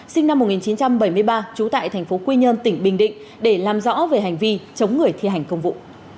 sinh năm một nghìn chín trăm bảy mươi ba trú tại thành phố quy nhơn tỉnh bình định để làm rõ về hành vi chống người thi hành công vụ